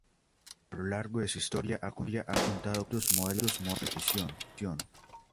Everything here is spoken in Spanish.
A lo largo de su historia ha contado con distintos modelos de competición.